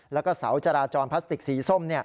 แล้วก็เสาจราจรพลาสติกสีส้ม